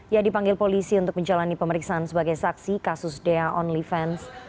ia dipanggil polisi untuk menjalani pemeriksaan sebagai saksi kasus dea only fans